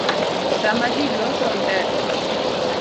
Sama ji loso nde